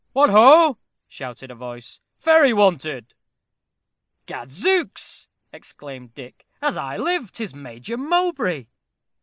"What, ho!" shouted a voice. "Ferry wanted." "Gad zooks!" exclaimed Dick. "As I live, 'tis Major Mowbray!"